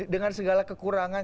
dengan segala kekurangan